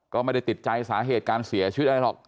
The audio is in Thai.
ก็ไม่ได้ติดใจสาเหตุการเสียชีวิตอะไรหรอก